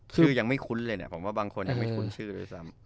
ชื่อยังไม่คุ้นเลยนะผมว่าบางคนยังไม่คุ้นชื่อด้วยซ้ำ